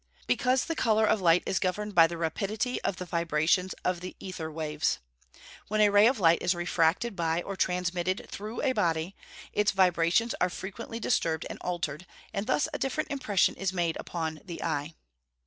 _ Because the colour of light is governed by the rapidity of the vibrations of the ether waves. When a ray of light is refracted by, or transmitted through a body, its vibrations are frequently disturbed and altered, and thus a different impression is made upon the eye.